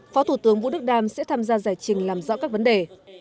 phó thủ tướng vũ đức đam sẽ tham gia giải trình làm rõ các vấn đề